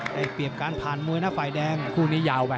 ได้เปรียบการผ่านมวยนะฝ่ายแดงคู่นี้ยาวไป